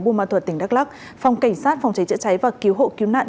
bù ma thuật tỉnh đắk lắc phòng cảnh sát phòng cháy chữa cháy và cứu hộ cứu nạn